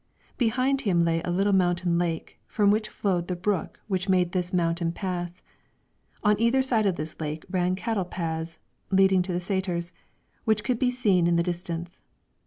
Behind him lay a little mountain lake, from which flowed the brook which made this mountain pass; on either side of this lake ran cattle paths, leading to the saeters, which could be seen in the distance.